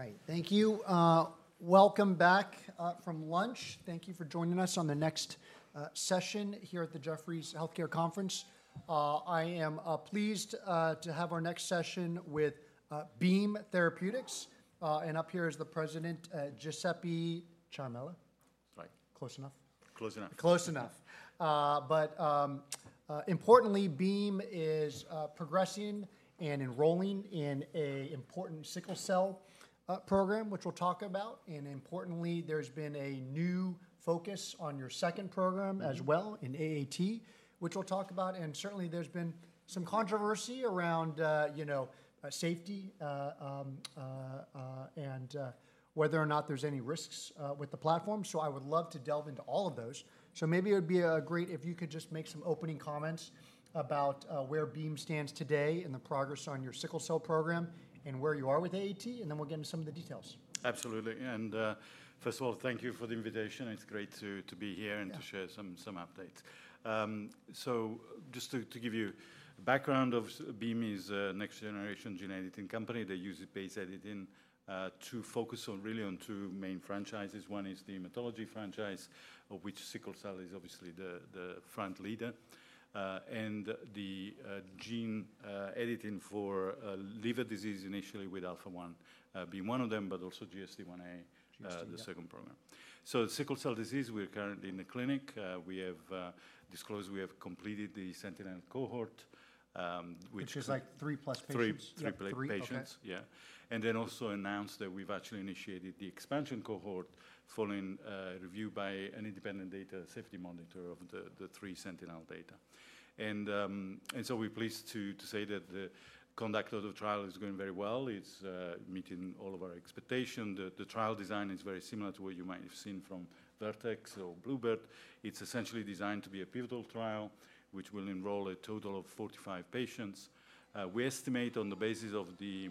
All right, thank you. Welcome back from lunch. Thank you for joining us on the next session here at the Jefferies Healthcare Conference. I am pleased to have our next session with Beam Therapeutics. Up here is the president, Giuseppe Ciaramella? That's right. Close enough? Close enough. Close enough. But importantly, Beam is progressing and enrolling in a important sickle cell program, which we'll talk about. And importantly, there's been a new focus on your second program- Mm-hmm. —as well, in AAT, which we'll talk about, and certainly there's been some controversy around, you know, safety, and whether or not there's any risks with the platform. So I would love to delve into all of those. So maybe it would be great if you could just make some opening comments about where Beam stands today and the progress on your sickle cell program, and where you are with AAT, and then we'll get into some of the details. Absolutely, and, first of all, thank you for the invitation. It's great to be here- Yeah -and to share some updates. So just to give you background of Beam is a next generation gene editing company. They use base editing to focus on really on two main franchises. One is the hematology franchise, of which sickle cell is obviously the front leader, and the gene editing for liver disease, initially with alpha-1 being one of them, but also GSD-1a- GSD, yeah the second program. So sickle cell disease, we are currently in the clinic. We have disclosed we have completed the sentinel cohort, which- Which is like 3+ patients? Three- Yeah, three. 3+ patients. Okay. Yeah. And then also announced that we've actually initiated the expansion cohort, following review by an independent data safety monitor of the three sentinel data. And so we're pleased to say that the conduct of the trial is going very well. It's meeting all of our expectation. The trial design is very similar to what you might have seen from Vertex or Bluebird. It's essentially designed to be a pivotal trial, which will enroll a total of 45 patients. We estimate on the basis of the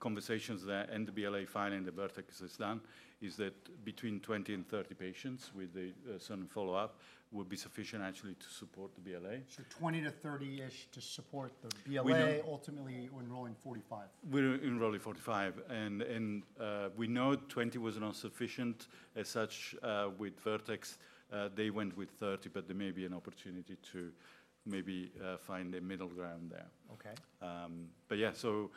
conversations and the BLA filing that Vertex has done, is that between 20 and 30 patients with the certain follow-up will be sufficient actually to support the BLA. 20-30-ish to support the BLA- We know- Ultimately, we're enrolling 45. We're enrolling 45, and we know 20 was not sufficient as such with Vertex. They went with 30, but there may be an opportunity to maybe find a middle ground there. Okay. But yeah, so,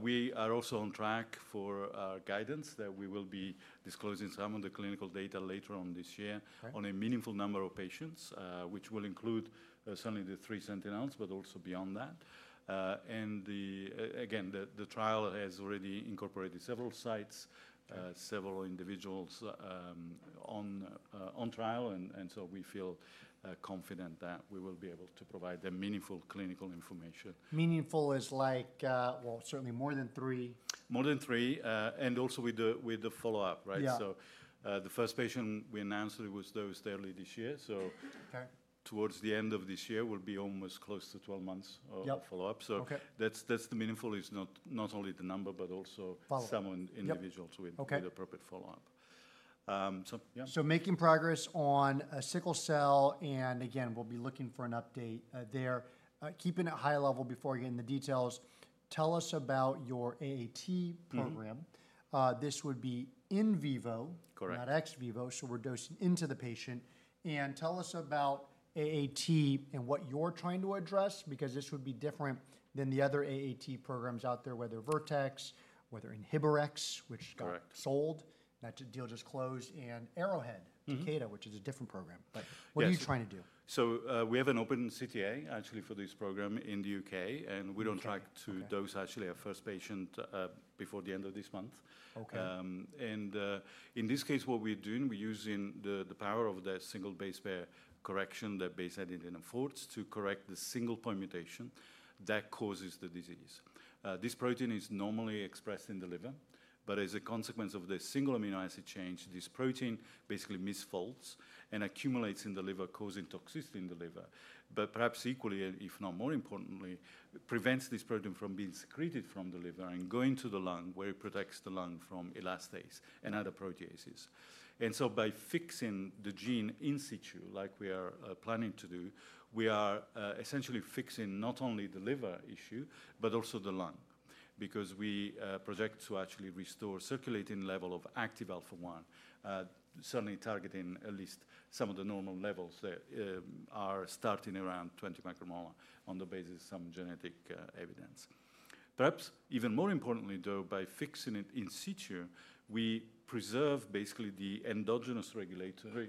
we are also on track for our guidance, that we will be disclosing some of the clinical data later on this year. Okay... on a meaningful number of patients, which will include certainly the three sentinels, but also beyond that. And the, again, the trial has already incorporated several sites, several individuals on trial, and so we feel confident that we will be able to provide the meaningful clinical information. Meaningful is like, well, certainly more than three. More than three, and also with the follow-up, right? Yeah. The first patient we announced was dosed early this year. Okay... toward the end of this year will be almost close to 12 months of- Yep -follow-up. Okay. So that's the meaningful is not only the number, but also- Follow-up -some individuals- Yep -with the- Okay -appropriate follow-up. So yeah. So making progress on sickle cell, and again, we'll be looking for an update there. Keeping it high level before I get into the details, tell us about your AAT program. Mm-hmm. This would be in vivo- Correct -not ex vivo, so we're dosing into the patient. Tell us about AAT and what you're trying to address, because this would be different than the other AAT programs out there, whether Vertex, whether Inhibrx, which got- Correct. -sold. That deal just closed. And Arrowhead- Mm-hmm -Takeda, which is a different program, but- Yes What are you trying to do? So, we have an open CTA actually for this program in the U.K., and we're on track- Okay -to dose actually our first patient before the end of this month. Okay. In this case, what we're doing, we're using the power of the single base pair correction that base editing affords to correct the single point mutation that causes the disease. This protein is normally expressed in the liver, but as a consequence of the single amino acid change, this protein basically misfolds and accumulates in the liver, causing toxicity in the liver. But perhaps equally, if not more importantly, prevents this protein from being secreted from the liver and going to the lung, where it protects the lung from elastase and other proteases. So by fixing the gene in situ, like we are planning to do, we are essentially fixing not only the liver issue, but also the lung, because we project to actually restore circulating level of active alpha-1, certainly targeting at least some of the normal levels that are starting around 20 micromolar on the basis of some genetic evidence. Perhaps even more importantly, though, by fixing it in situ, we preserve basically the endogenous regulatory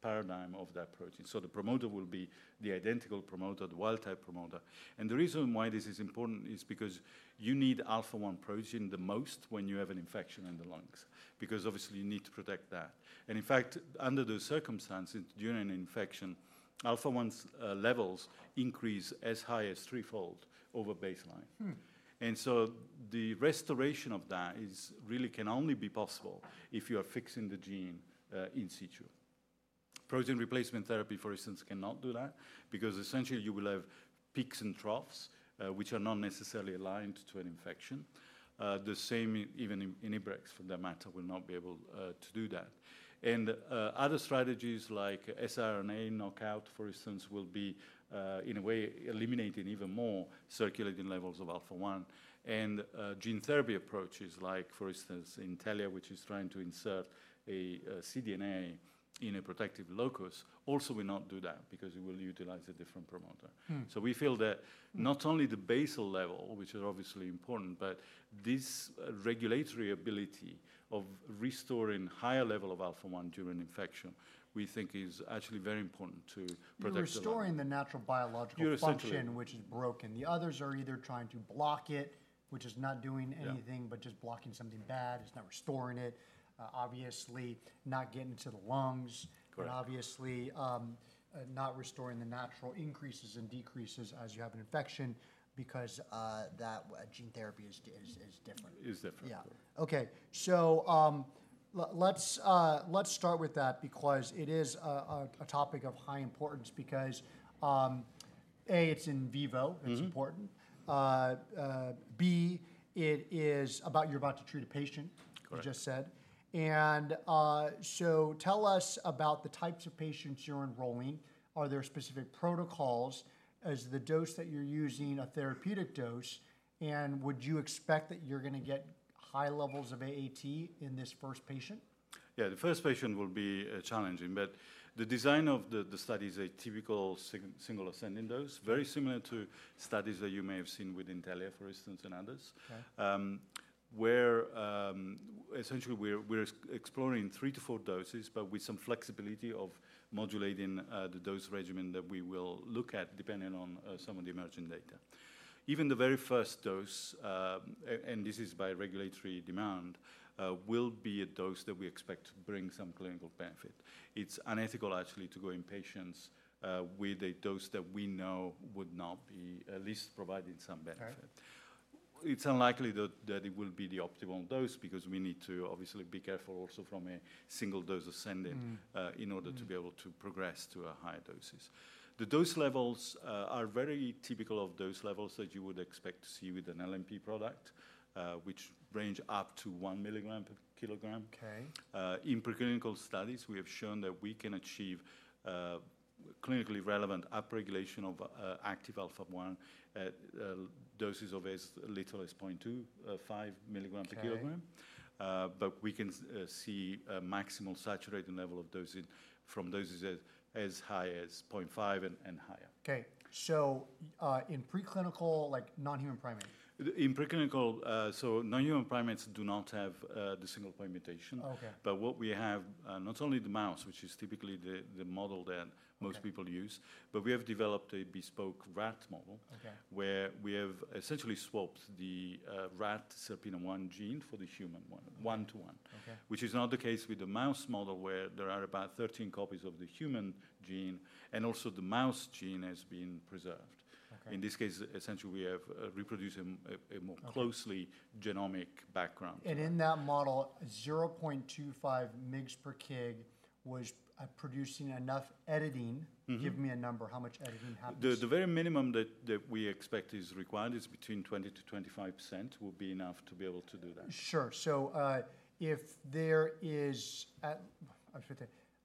paradigm of that protein. So the promoter will be the identical promoter, the wild type promoter. The reason why this is important is because you need alpha-1 protein the most when you have an infection in the lungs, because obviously you need to protect that. In fact, under those circumstances, during an infection, alpha-1's levels increase as high as threefold over baseline. Hmm. And so the restoration of that is really can only be possible if you are fixing the gene in situ. Protein replacement therapy, for instance, cannot do that because essentially you will have peaks and troughs which are not necessarily aligned to an infection. The same even Inhibrx, for that matter, will not be able to do that. And other strategies like siRNA knockout, for instance, will be in a way eliminating even more circulating levels of alpha-1. And gene therapy approaches like, for instance, Intellia, which is trying to insert a cDNA in a protective locus also will not do that because it will utilize a different promoter. Mm. We feel that- Mm Not only the basal level, which is obviously important, but this regulatory ability of restoring higher level of alpha-1 during infection, we think is actually very important to protect the lung. You're restoring the natural biological function- Yes, essentially. -which is broken. The others are either trying to block it, which is not doing anything- Yeah. But just blocking something bad. It's not restoring it, obviously, not getting into the lungs. Correct. And obviously, not restoring the natural increases and decreases as you have an infection because that gene therapy is different. Is different. Yeah. Okay, so, let's start with that because it is a topic of high importance because AAT, it's in vivo- Mm-hmm... it's important. It is about-- you're about to treat a patient- Correct. You just said. And so tell us about the types of patients you're enrolling. Are there specific protocols? Is the dose that you're using a therapeutic dose, and would you expect that you're gonna get high levels of AAT in this first patient? Yeah, the first patient will be challenging, but the design of the study is a typical single ascending dose, very similar to studies that you may have seen with Intellia, for instance, and others. Okay. Where, essentially, we're exploring 3-4 doses, but with some flexibility of modulating the dose regimen that we will look at, depending on some of the emerging data. Even the very first dose, and this is by regulatory demand, will be a dose that we expect to bring some clinical benefit. It's unethical actually to go in patients with a dose that we know would not be at least providing some benefit. Right. It's unlikely that it will be the optimal dose because we need to obviously be careful also from a single dose ascending- Mm, mm... in order to be able to progress to a higher doses. The dose levels are very typical of dose levels that you would expect to see with an LNP product, which range up to 1 mg/kg. Okay. In preclinical studies, we have shown that we can achieve clinically relevant upregulation of active alpha-1 AAT at doses of as little as 0.25 mg/kg. Okay. But we can see a maximal saturating level of dosing from doses as high as 0.5 and higher. Okay. So, in preclinical, like, non-human primates? In preclinical, so non-human primates do not have the single point mutation. Okay. But what we have, not only the mouse, which is typically the model that- Okay... most people use, but we have developed a bespoke rat model- Okay... where we have essentially swapped the rat SERPINA1 gene for the human one, one to one. Okay. Which is not the case with the mouse model, where there are about 13 copies of the human gene, and also the mouse gene has been preserved. Okay. In this case, essentially, we have reproduced a more- Okay... closely genomic background. In that model, 0.25 mgs per kg was producing enough editing. Mm-hmm. Give me a number, how much editing happens? The very minimum that we expect is required is between 20%-25%, will be enough to be able to do that. Sure. So, if there is,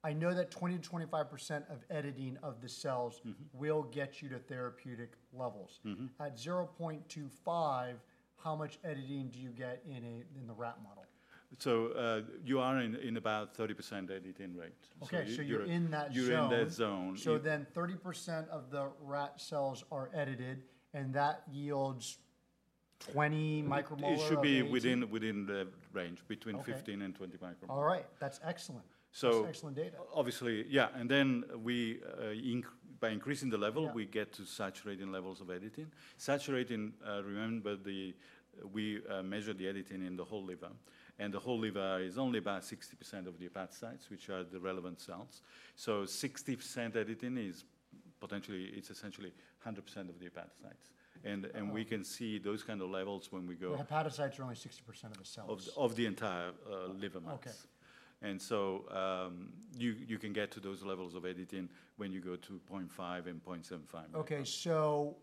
I was going to say, I know that 20%-25% of editing of the cells- Mm-hmm... will get you to therapeutic levels. Mm-hmm. At 0.25, how much editing do you get in the rat model? So, you are in about 30% editing rate. So you're- Okay, so you're in that zone. You're in that zone. 30% of the rat cells are edited, and that yields 20 micromolar of AAT? It should be within the range, between- Okay.... 15 and 20 micromolar. All right. That's excellent. So- That's excellent data.... obviously, yeah, and then we by increasing the level- Yeah.... we get to saturating levels of editing. Saturating, remember, we measure the editing in the whole liver, and the whole liver is only about 60% of the hepatocytes, which are the relevant cells. So 60% editing is potentially it's essentially 100% of the hepatocyte. Wow. And we can see those kind of levels when we go- The hepatocytes are only 60% of the cells. of the entire liver mass. Okay. So, you can get to those levels of editing when you go to 0.5 and 0.75. Okay. So,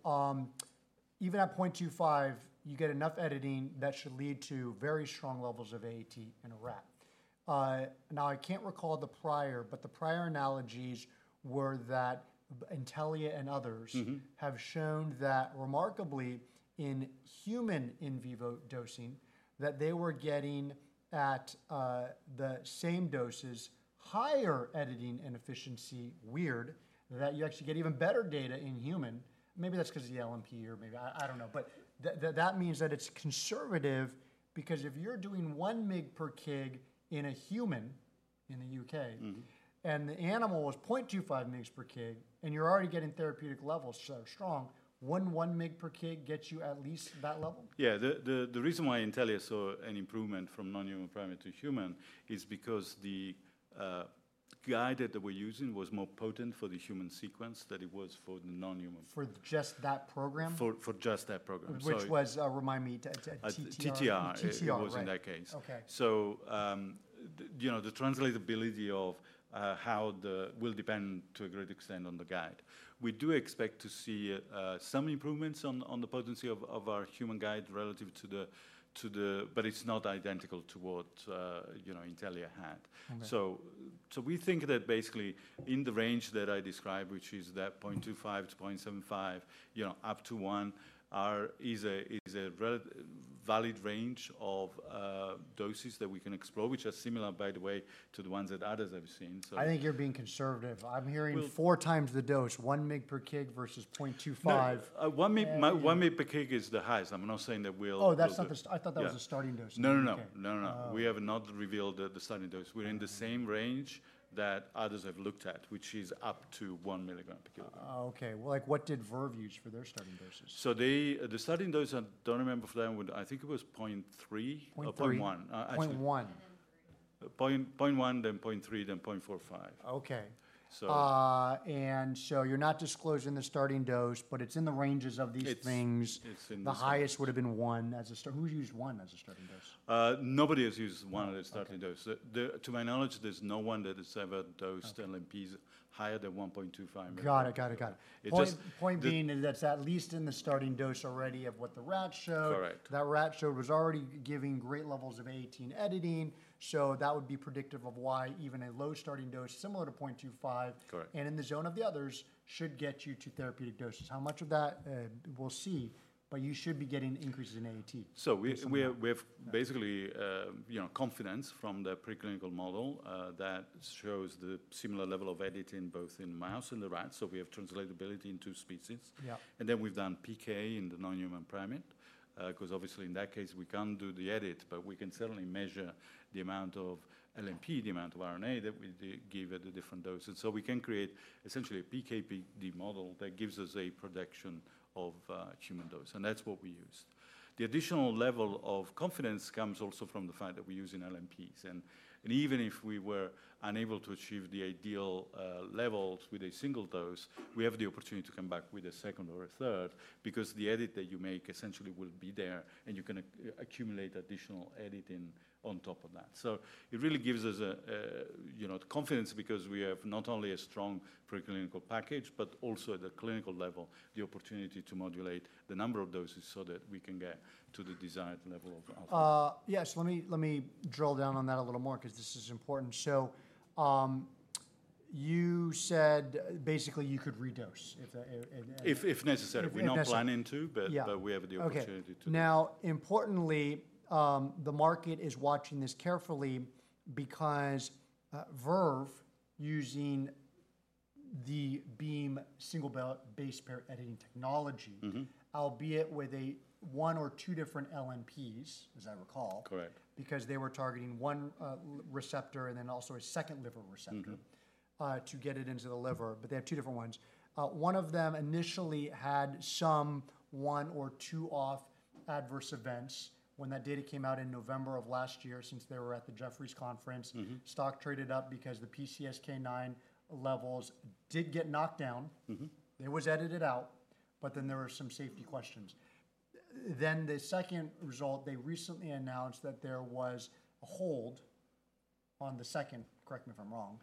even at 0.25, you get enough editing that should lead to very strong levels of AAT in a rat. Now, I can't recall the prior, but the prior analogies were that Intellia and others- Mm-hmm... have shown that remarkably, in human in vivo dosing, that they were getting at, the same doses, higher editing and efficiency, weird, that you actually get even better data in human. Maybe that's because of the LNP or maybe, I don't know. But that, that means that it's conservative, because if you're doing 1 mg per kg in a human, in the UK- Mm-hmm... and the animal was 0.25 mg/kg, and you're already getting therapeutic levels that are strong, wouldn't 1 mg/kg get you at least that level? Yeah. The reason why Intellia saw an improvement from non-human primate to human is because the guide that they were using was more potent for the human sequence than it was for the non-human. For just that program? For just that program, so- Which was, remind me, TTR? TTR. TTR, right. It was in that case. Okay. So, you know, the translatability of how the will depend to a great extent on the guide. We do expect to see some improvements on the potency of our human guide relative to the, but it's not identical to what, you know, Intellia had. Okay. So we think that basically in the range that I described, which is 0.25-0.75, you know, up to 1, is a valid range of doses that we can explore, which are similar by the way, to the ones that others have seen, so- I think you're being conservative. Well- I'm hearing 4 times the dose, 1 mg per kg versus 0.25. No, 1 mg, 1 mg per kg is the highest. I'm not saying that we'll- Oh, that's not the s- Yeah. I thought that was the starting dose. No, no, no. No, no, no. Oh. We have not revealed the starting dose. Yeah. We're in the same range that others have looked at, which is up to 1 milligram per kilogram. Oh, okay. Well, like what did Verve use for their starting doses? The starting dose, I don't remember for them, but I think it was 0.3- 0.3? 0.1. Actually- 0.1. 0.1, then 0.3, then 0.45. Okay. So- And so you're not disclosing the starting dose, but it's in the ranges of these things. It's in- The highest would've been one as a starter—who's used one as a starting dose? Nobody has used one as a starting dose. Okay. To my knowledge, there's no one that has ever dosed- Okay... LNPs higher than 1.25 mg. Got it, got it, got it. It just- Point, point being that that's at least in the starting dose already of what the rat showed. Correct. That rat showed was already giving great levels of AAT editing, so that would be predictive of why even a low starting dose, similar to 0.25- Correct.... and in the zone of the others, should get you to therapeutic doses. How much of that? We'll see, but you should be getting increases in AAT. So we- At some point.... we have, we have basically, you know, confidence from the preclinical model, that shows the similar level of editing both in mouse and the rat. So we have translatability in two species. Yeah. And then we've done PK in the non-human primate, 'cause obviously in that case we can't do the edit, but we can certainly measure the amount of LNP, the amount of RNA that we give at the different doses. So we can create essentially a PK/PD model that gives us a prediction of human dose, and that's what we used. The additional level of confidence comes also from the fact that we're using LNPs, and even if we were unable to achieve the ideal levels with a single dose, we have the opportunity to come back with a second or a third, because the edit that you make essentially will be there, and you can accumulate additional editing on top of that. It really gives us, you know, confidence because we have not only a strong preclinical package, but also at the clinical level, the opportunity to modulate the number of doses so that we can get to the desired level of outcome. Yes. Let me drill down on that a little more, 'cause this is important. So, you said basically you could redose if- If necessary. If necessary. We're not planning to, but- Yeah... but we have the opportunity to. Okay. Now, importantly, the market is watching this carefully because Verve using the Beam single base pair editing technology- Mm-hmm.... albeit with a one or two different LNPs, as I recall. Correct. Because they were targeting one receptor, and then also a second liver receptor- Mm-hmm.... to get it into the liver, but they have two different ones. One of them initially had some one or two off adverse events when that data came out in November of last year, since they were at the Jefferies conference. Mm-hmm. Stock traded up because the PCSK9 levels did get knocked down. Mm-hmm. It was edited out, but then there were some safety questions. Then the second result, they recently announced that there was a hold on the second, correct me if I'm wrong,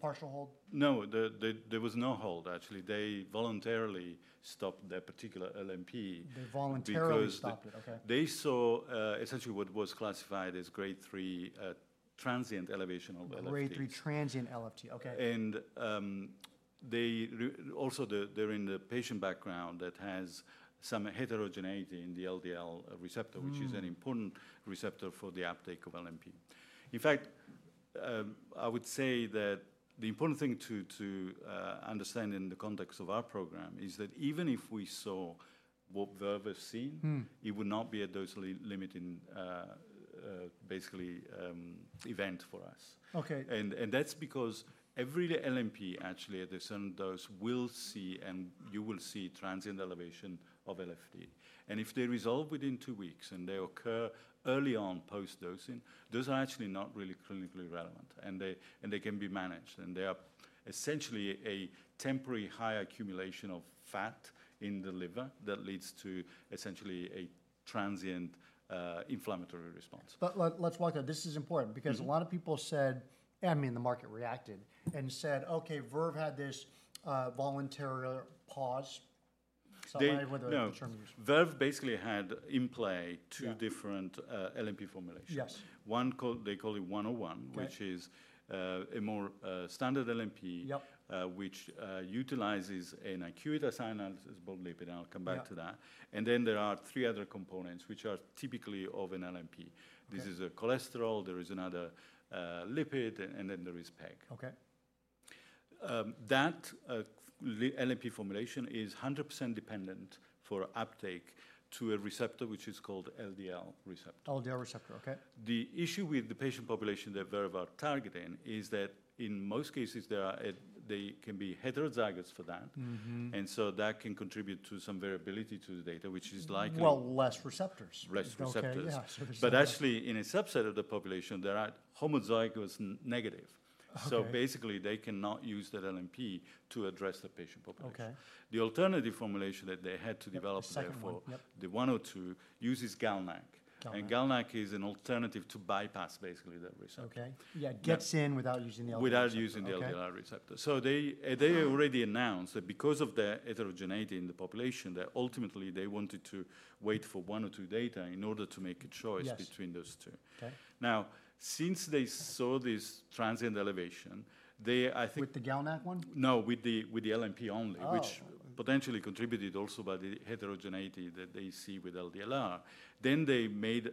partial hold? No, there was no hold. Actually, they voluntarily stopped that particular LNP- They voluntarily- Because-... stopped it, okay. They saw, essentially, what was classified as Grade 3 transient elevation of LFT. Grade 3 transient LFT, okay. Also, they're in the patient background that has some heterogeneity in the LDL receptor. Mm.... which is an important receptor for the uptake of LNP. In fact, I would say that the important thing to understand in the context of our program is that even if we saw what Verve have seen- Mm.... it would not be a dose-limiting, basically, event for us. Okay. That's because every LNP, actually, at a certain dose will see, and you will see transient elevation of LFT. And if they resolve within two weeks, and they occur early on post-dosing, those are actually not really clinically relevant, and they can be managed, and they are essentially a temporary high accumulation of fat in the liver that leads to essentially a transient inflammatory response. Let's walk out. This is important. Mm-hmm.... because a lot of people said, I mean, the market reacted, and said, "Okay, Verve had this, voluntary pause. They- I don't know whether the term used. No. Verve basically had in play- Yeah.... two different LNP formulations. Yes. One called, they call it 101- Right... which is, a more, standard LNP- Yep... which utilizes an LNP, an ionizable lipid, and I'll come back to that. Yeah. There are three other components which are typically of an LNP. Okay. This is a cholesterol, there is another lipid, and then there is PEG. Okay. That LNP formulation is 100% dependent for uptake to a receptor, which is called LDL receptor. LDL Receptor, okay. The issue with the patient population that Verve are targeting is that in most cases, there are, they can be heterozygous for that. Mm-hmm. And so that can contribute to some variability to the data, which is likely- Well, less receptors. Less receptors. Okay, yeah. But actually, in a subset of the population, there are homozygous negative.... So basically, they cannot use that LNP to address the patient population. Okay. The alternative formulation that they had to develop- The second one, yep. The 102 uses GalNAc. GalNAc. GalNAc is an alternative to bypass basically that receptor. Okay. Yeah, it gets in without using the LDLR- Without using the LDLR receptor. Okay. They already announced that because of the heterogeneity in the population, that ultimately they wanted to wait for one or two data in order to make a choice. Yes. between those two. Okay. Now, since they saw this transient elevation, they, I think- With the GalNAc one? No, with the LNP only- Oh. -which potentially contributed also by the heterogeneity that they see with LDLR. Then they made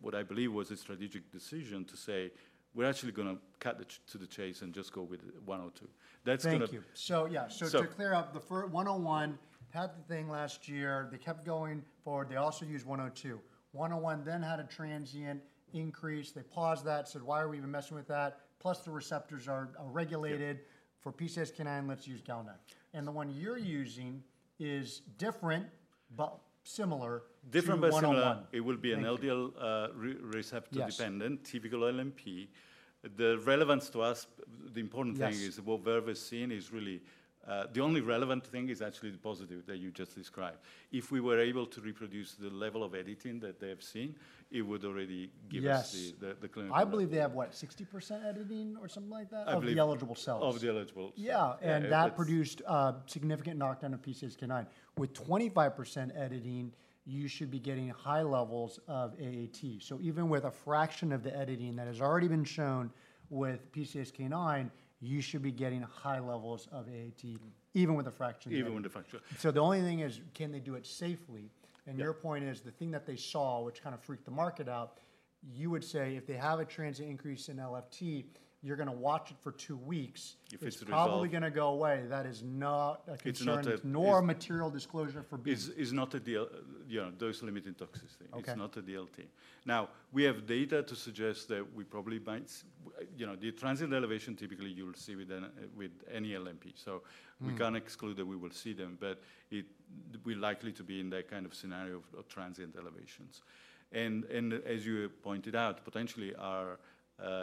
what I believe was a strategic decision to say, "We're actually gonna cut to the chase and just go with 102." That's gonna- Thank you. So yeah- So- To clear up, the first 101 had the thing last year. They kept going forward. They also used 102. 101 then had a transient increase. They paused that, said, "Why are we even messing with that?" Plus, the receptors are regulated- Yeah. For PCSK9, let's use GalNAc. The one you're using is different but similar to 101. Different but similar. Thank you. It will be an LDL receptor- Yes. -dependent, typical LNP. The relevance to us, the important thing- Yes. is what Verve is seeing is really the only relevant thing is actually the positive that you just described. If we were able to reproduce the level of editing that they have seen, it would already give us the- Yes. the clinical I believe they have, what, 60% editing or something like that? I believe- Of the eligible cells. Of the eligible cells. Yeah. And that- That produced significant knockdown of PCSK9. With 25% editing, you should be getting high levels of AAT. So even with a fraction of the editing that has already been shown with PCSK9, you should be getting high levels of AAT, even with a fraction editing. Even with a fraction, yeah. So the only thing is, can they do it safely? Yeah. Your point is, the thing that they saw, which kind of freaked the market out, you would say if they have a transient increase in LFT, you're gonna watch it for two weeks. If it's resolved- It's probably gonna go away. That is not a concern- It's not a- nor a material disclosure for B. Is not a DLT. You know, dose limiting toxicity. Okay. It's not a DLT. Now, we have data to suggest that we probably might, you know, the transient elevation, typically you'll see with any LNP, so- Mm. We can't exclude that we will see them, but it, we're likely to be in that kind of scenario of transient elevations. And as you pointed out, potentially our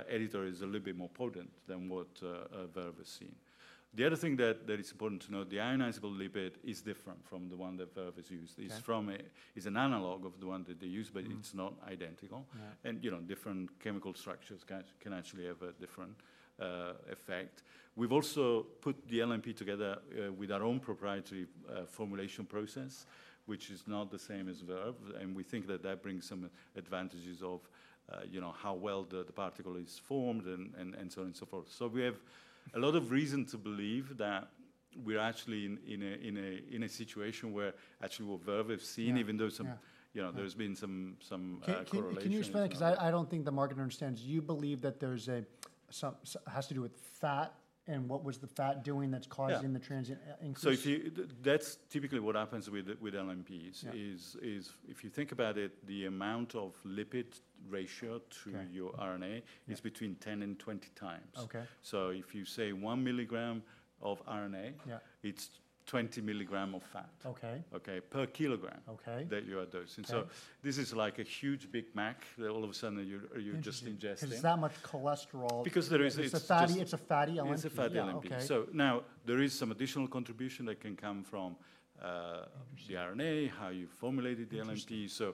editor is a little bit more potent than what Verve is seeing. The other thing that is important to note, the ionizable lipid is different from the one that Verve has used. Okay. It's an analog of the one that they use- Mm. but it's not identical. Right. And, you know, different chemical structures can actually have a different effect. We've also put the LNP together with our own proprietary formulation process, which is not the same as Verve, and we think that that brings some advantages of, you know, how well the particle is formed and so on and so forth. So we have a lot of reason to believe that we're actually in a situation where actually what Verve have seen- Yeah. even though some Yeah. You know, there's been some correlations. Can you explain? 'Cause I don't think the market understands. Do you believe that there's some has to do with fat, and what was the fat doing that's causing- Yeah. the transient increase? That's typically what happens with LNPs. Yeah. is, if you think about it, the amount of lipid ratio to- Okay. -your RNA- Yeah. -is between 10 and 20 times. Okay. If you say one milligram of RNA- Yeah. -it's 20 milligrams of fat. Okay. Okay? Per kilogram- Okay. that you are dosing. Okay. This is like a huge Big Mac that all of a sudden you're just ingesting. It's that much cholesterol. Because there is, it's just- It's a fatty LNP. It's a fatty LNP. Yeah, okay. Now there is some additional contribution that can come from, Understood. ... the RNA, how you formulate the LNP. Understood.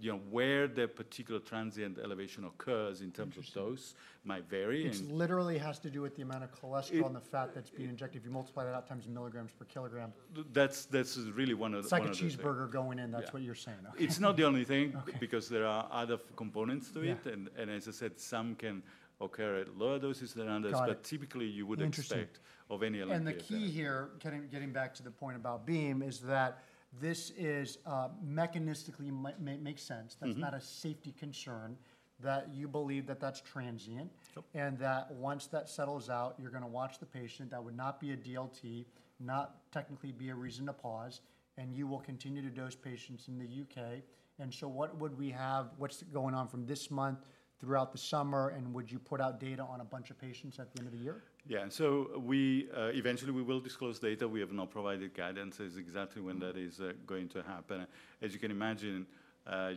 You know, where the particular transient elevation occurs in terms- Understood. of dose might vary and Which literally has to do with the amount of cholesterol- It- And the fat that's being injected. If you multiply that out times milligrams per kilogram- That is really one of the things- It's like a cheeseburger going in- Yeah. That's what you're saying. Okay. It's not the only thing- Okay. because there are other components to it. Yeah. As I said, some can occur at lower doses than others. Got it. but typically you would expect Interesting. -of any LNP. The key here, getting back to the point about Beam, is that this is mechanistically makes sense. Mm-hmm. That's not a safety concern, that you believe that that's transient. Sure. And that once that settles out, you're gonna watch the patient. That would not be a DLT, not technically be a reason to pause, and you will continue to dose patients in the U.K. And so what would we have? What's going on from this month throughout the summer, and would you put out data on a bunch of patients at the end of the year? Yeah. So we eventually we will disclose data. We have not provided guidance as exactly when that is going to happen. As you can imagine,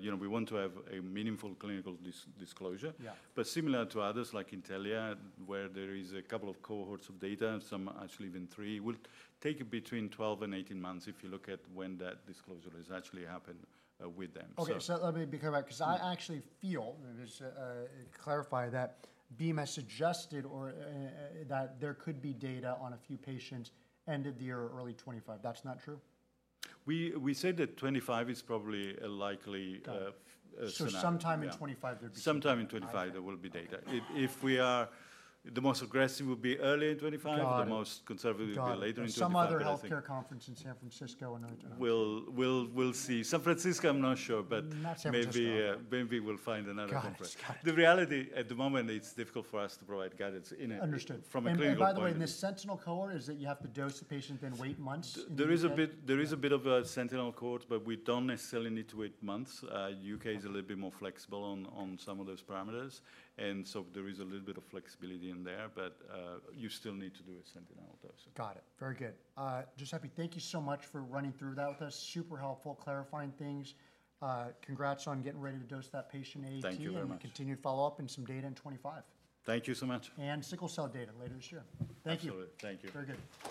you know, we want to have a meaningful clinical disclosure. Yeah. But similar to others like Intellia, where there is a couple of cohorts of data, some actually even three, will take between 12 and 18 months if you look at when that disclosure has actually happened, with them, so- Okay, so let me come back- Yeah.... 'cause I actually feel, just, clarify, that Beam has suggested or, that there could be data on a few patients end of the year or early 2025. That's not true? We said that 2025 is probably a likely Got it. -uh, scenario. So sometime in 2025, there'd be- Sometime in 2025, there will be data. Got it. The most aggressive would be early 2025. Got it. The most conservative would be later in 2025. Got it. Some other healthcare conference in San Francisco in order to- We'll see. San Francisco, I'm not sure, but- Not San Francisco. Maybe we'll find another conference. Got it. Got it. The reality at the moment, it's difficult for us to provide guidance in a- Understood. From a clinical point of view. By the way, the sentinel cohort is that you have to dose the patient then wait months? There is a bit, there is a bit of a sentinel cohort, but we don't necessarily need to wait months. UK is a little bit more flexible on, on some of those parameters, and so there is a little bit of flexibility in there, but, you still need to do a sentinel dose. Got it. Very good. Giuseppe, thank you so much for running through that with us. Super helpful clarifying things. Congrats on getting ready to dose that patient AAT. Thank you very much. We continue to follow up and some data in 2025. Thank you so much. Sickle cell data later this year. Thank you. Absolutely. Thank you. Very good.